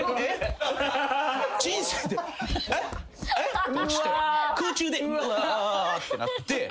人生でえっ？えっ？って落ちて空中でうわってなって。